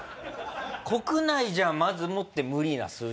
国内じゃまずもって無理な数字？